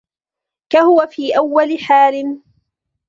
كَهُوَ فِي أَوَّلِ حَالٍ